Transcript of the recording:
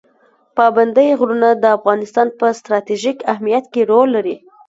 پابندی غرونه د افغانستان په ستراتیژیک اهمیت کې رول لري.